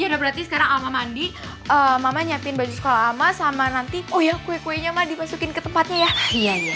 labelnya jangan yang salah ya